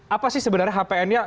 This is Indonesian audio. apa sih sebenarnya hpn nya